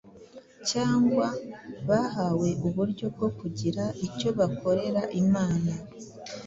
cyangwa bahawe uburyo bwo kugira icyo bakorera Imana,